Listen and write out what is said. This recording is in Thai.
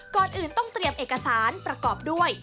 ก่อนอื่นต้องเตรียมเอกสารประกอบด้วย